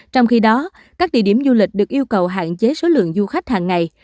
trong khi đó các địa điểm du lịch được yêu cầu hạn chế số lượng du khách hàng ngày